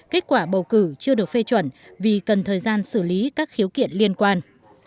kết quả bầu cử chưa được phê chuẩn vì cần thời gian xử lý các khiếu kiện liên quan